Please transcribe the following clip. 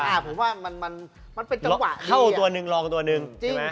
อ่าผมว่ามันมันเป็นจังหวะเข้าตัวหนึ่งลองตัวหนึ่งใช่ไหม